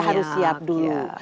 kita harus siap dulu